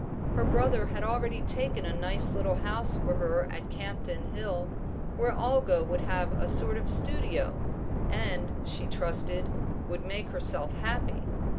Her brother had already taken a nice little house for her at Campden Hill, where Olga would have a sort of studio, and, she trusted, would make herself happy.